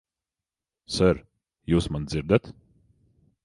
Ser, jūs mani dzirdat?